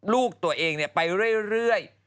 ลูกตัวเองเนี่ยไปเรื่อย